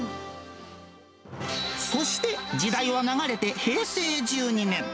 そして、時代は流れて平成１２年。